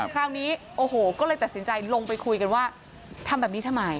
คราวนี้โอ้โหก็เลยตัดสินใจลงไปคุยกันว่าทำแบบนี้ทำไม